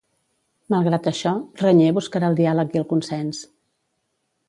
Malgrat això, Reñé buscarà el diàleg i el consens.